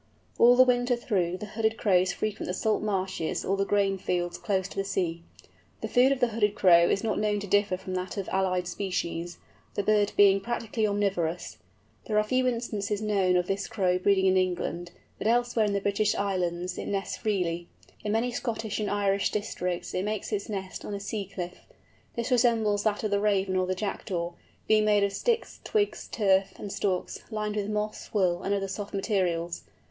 All the winter through Hooded Crows frequent the salt marshes or the grain fields close to the sea. The food of the Hooded Crow is not known to differ from that of allied species, the bird being practically omnivorous. There are few instances known of this Crow breeding in England, but elsewhere in the British Islands it nests freely. In many Scottish and Irish districts it makes its nest on a sea cliff. This resembles that of the Raven or the Jackdaw, being made of sticks, twigs, turf, and stalks, lined with moss, wool, and other soft materials.